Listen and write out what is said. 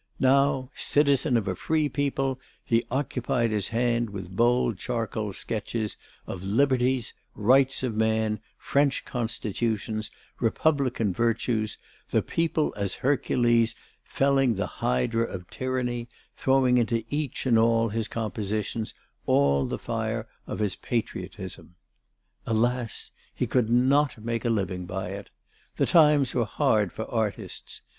Now, citizen of a free people, he occupied his hand with bold charcoal sketches of Liberties, Rights of Man, French Constitutions, Republican Virtues, the People as Hercules felling the Hydra of Tyranny, throwing into each and all his compositions all the fire of his patriotism. Alas! he could not make a living by it. The times were hard for artists.